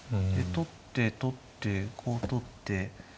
で取って取ってこう取って。